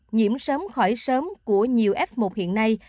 nhiễm sớm khỏi sớm của nhiều f một hiện nay